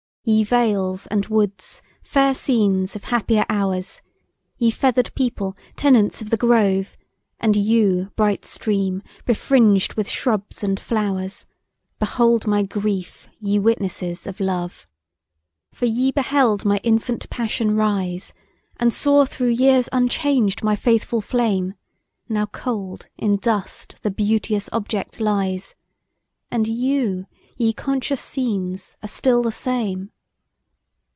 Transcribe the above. YE vales and woods! fair scenes of happier hours! Ye feather'd people, tenants of the grove! And you, bright stream! befringed with shrubs and flowers, Behold my grief, ye witnesses of love! For ye beheld my infant passion rise, And saw through years unchanged my faithful flame; Now cold, in dust, the beauteous object lies, And you, ye conscious scenes, are still the same!